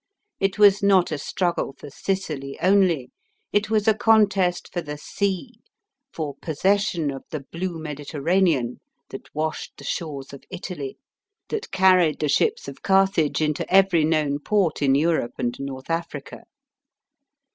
It was not a struggle for Sicily only, it was a contest for the sea for possession of the blue Mediterranean, that washed the shores of Italy, that carried the ships of Carthage into every known port in Europe and North Africa.